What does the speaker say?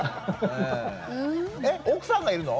奥さんがいるの？